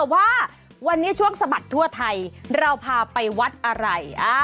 ว่าวันนี้ช่วงสะบัดทั่วไทยเราพาไปวัดอะไร